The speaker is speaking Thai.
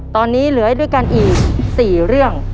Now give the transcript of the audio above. ตอนนี้เหลือด้วยกันอีก๔เรื่อง